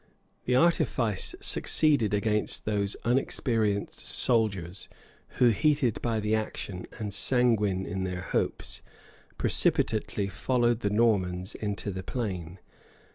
The artifice succeeded against those unexperienced soldiers, who, heated by the action, and sanguine in their hopes, precipitately followed the Normans into the plain.